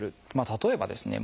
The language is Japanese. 例えばですね